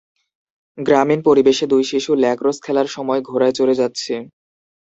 গ্রামীণ পরিবেশে দুই শিশু ল্যাক্রোস খেলার সময় ঘোড়ায় চড়ে যাচ্ছে